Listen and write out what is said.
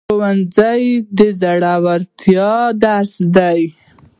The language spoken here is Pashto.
ښوونځی د زړورتیا درس دی